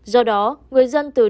do đó người dân từ nơi